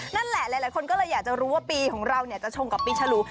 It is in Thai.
หลายคนก็เลยอยากจะรู้ว่าปีของเราจะชงกับปีฉลู